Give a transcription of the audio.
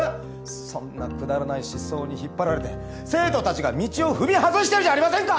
そんなくだらない思想に引っ張られて生徒たちが道を踏み外してるじゃありませんか！